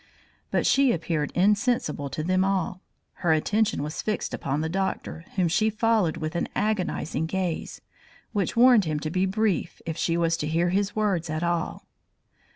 But she appeared insensible to them all. Her attention was fixed upon the doctor, whom she followed with an agonising gaze, which warned him to be brief if she was to hear his words at all.